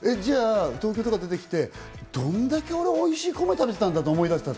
東京とか出て来て、どんだけ俺はおいしい米、食べてたんだと思い出した？